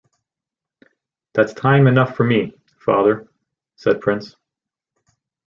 "That's time enough for me, father," said Prince.